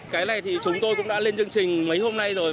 cái này thì chúng tôi cũng đã lên chương trình mấy hôm nay rồi